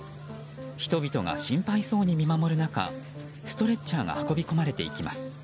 人々が心配そうに見守る中ストレッチャーが運び込まれていきます。